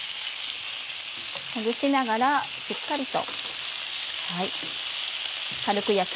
ほぐしながらしっかりと。